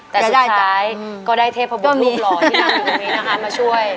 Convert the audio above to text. แต่สุดท้ายก็ได้เทพรูปหล่อที่นั่งอยู่ตรงนี้นะคะมาช่วย